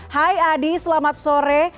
hai adi selamat sore